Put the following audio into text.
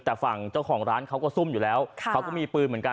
แต่ฝั่งเจ้าของร้านเขาก็ซุ่มอยู่แล้วเขาก็มีปืนเหมือนกัน